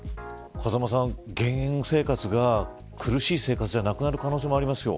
風間さん、減塩生活が苦しくなくなる可能性もありますよ。